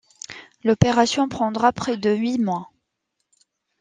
L'opération prendra près de huit mois.